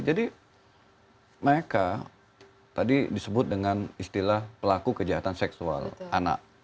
jadi mereka tadi disebut dengan istilah pelaku kejahatan seksual anak